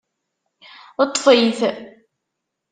Ṭṭef-it!